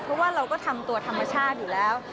เพราะว่าเราก็ทำตัวธรรมชาติอยู่แล้ว